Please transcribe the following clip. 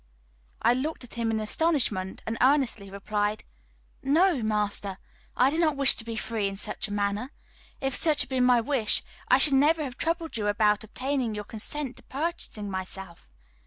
I looked at him in astonishment, and earnestly replied: "No, master, I do not wish to be free in such a manner. If such had been my wish, I should never have troubled you about obtaining your consent to my purchasing myself.